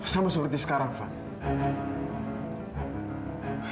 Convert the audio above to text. sama seperti sekarang van